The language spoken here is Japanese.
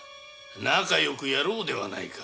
仲よくやろうではないか。